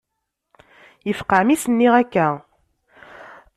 Yefqeε mi s-nniɣ akka.